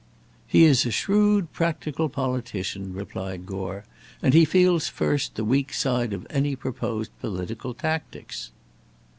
"He is a shrewd practical politician," replied Gore, "and he feels first the weak side of any proposed political tactics."